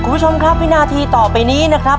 คุณผู้ชมครับวินาทีต่อไปนี้นะครับ